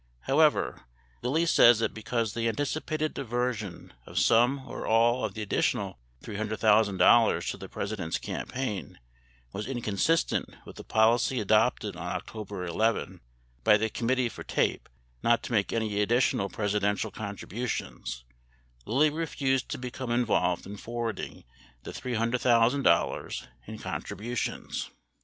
However, Lilly says that because the anticipated diversion of some or all of the additional $300,000 to the President's campaign was inconsistent with the policy adopted on October 11 by the com mittee for TAPE not to make any additional Presidential contribu tions, Lilly refused to become involved in forwarding the $300,000 in contributions.